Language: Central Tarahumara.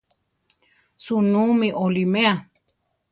¿Sunú mi oliméa?